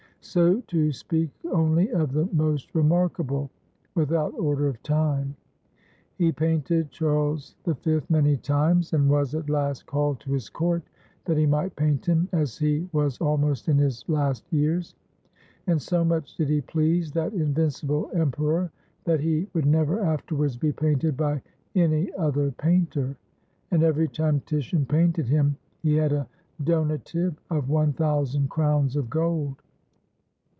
So to speak only of the most remarkable without order of time. He painted Charles V many times, and was at last called to his court that he might paint him as he was almost in his last years; and so much did he please that invincible Em peror that he would never afterwards be painted by any other painter, and every time Titian painted him he had a donative of one thousand crowns of gold.